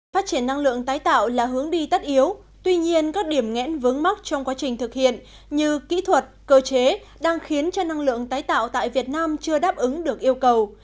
phát triển năng lượng tái tạo là hướng đi tất yếu tuy nhiên các điểm nghẽn vướng mắc trong quá trình thực hiện như kỹ thuật cơ chế đang khiến cho năng lượng tái tạo tại việt nam chưa đáp ứng được yêu cầu